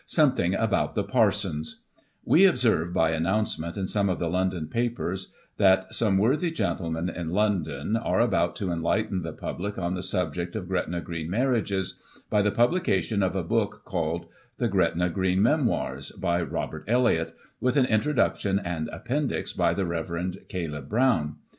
some thing about the Parsons: "We observe by announ(iement in some of the London papers, that some worthy gentlemen in London, are about to enlighten the public on the subject of Gretna Green marriages, by the publication of a book called The Gretna Green Memoirs, by Robert Elliott, with an intro duction and appendix by the Rev. Caleb Brown.